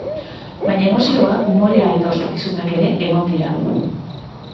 Baina emozioa, umorea eta ospakizunak ere egon dira.